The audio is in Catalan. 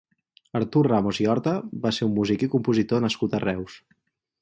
Artur Ramos i Horta va ser un músic i compositor nascut a Reus.